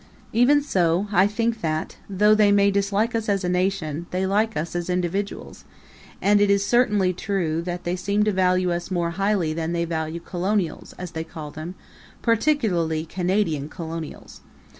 Even so I think that, though they may dislike us as a nation, they like us as individuals; and it is certainly true that they seem to value us more highly than they value Colonials, as they call them particularly Canadian Colonials.